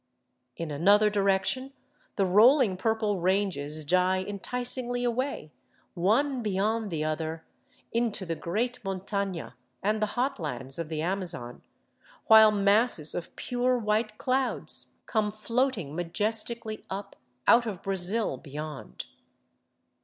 In another direction the rolling purple ranges die enticingly away one beyond the other into the great montana and the hot lands of the Amazon, while masses of pure white clouds come floating majestically up out of Brazil beyond.